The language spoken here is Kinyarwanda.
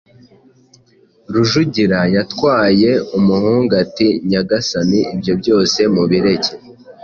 Rujugira yatwaye ?» Umuhungu, ati «Nyagasani ibyo byose mubireke,